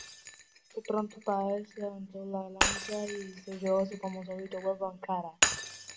De pronto, Páez levanta la lanza y se oye su famoso grito: "¡"vuelvan caras"!